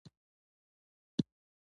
روژه د انسان روحي او بدني پاکي راولي